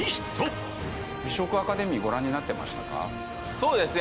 そうですね。